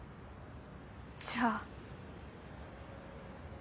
じゃあ。